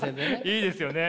いいですよね。